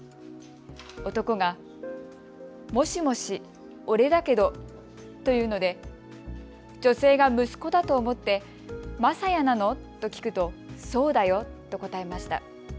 男がもしもしオレだけどと言うので女性が息子だと思ってマサヤなの？と聞くと、そうだよと答えました。